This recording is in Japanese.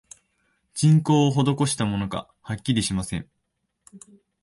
人工をほどこしたものか、はっきりしません